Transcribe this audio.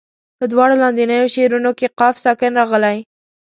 په دواړو لاندنیو شعرونو کې قاف ساکن راغلی.